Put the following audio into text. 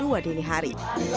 pukul dua dini hari